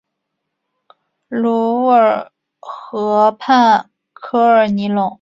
卢尔河畔科尔尼隆。